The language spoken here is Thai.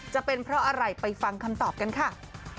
จะเป็นเพราะอะไรไปฟังคำตอบกันค่ะ